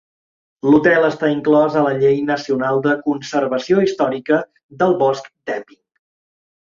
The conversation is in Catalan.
L'hotel està inclòs a la llei nacional de conservació històrica del bosc d'Epping.